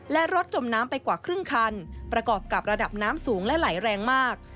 และรถจมน้ำไปกว่าครึ่งคันประกอบกับระดับน้ำสูงและไหลแรงมาก